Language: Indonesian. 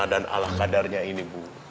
dan ala kadarnya ini